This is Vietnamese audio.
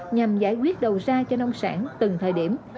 nhằm giải quyết đầu ra cho nông sản từng thời điểm